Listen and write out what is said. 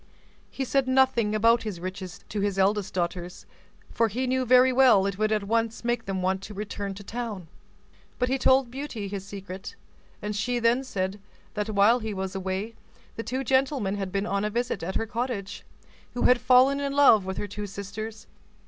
He said nothing about his riches to his eldest daughters, for he knew very well it would at once make them want to return to town; but he told Beauty his secret, and she then said, that while he was away, two gentlemen had been on a visit at her cottage, who had fallen in love with her two sisters.